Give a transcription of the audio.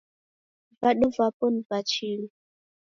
Vadu vapo ni va chilu.